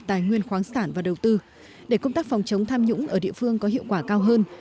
tài nguyên khoáng sản và đầu tư để công tác phòng chống tham nhũng ở địa phương có hiệu quả cao hơn